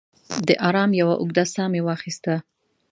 د ارام یوه اوږده ساه مې واخیسته.